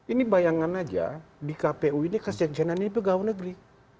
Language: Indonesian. ini bayangan aja di kpu ini kesekjenannya pegawai negeri